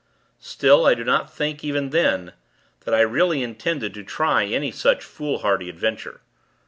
Still, I do not think, even then, that I really intended to try any such foolhardy adventure.